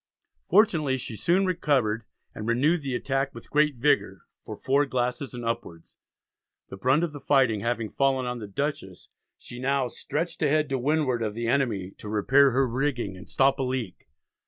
Fortunately she soon recovered, and renewed the attack with great vigour "for 4 glasses and upwards." The brunt of the fighting having fallen on the Dutchess she now "stretched ahead to windward" of the enemy, to repair her rigging and stop a leak.